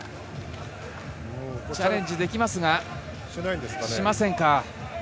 チャレンジできますがしませんか。